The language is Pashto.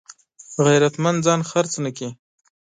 غیرتمند ځان خرڅ نه کړي